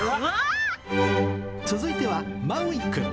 続いてはマウイくん。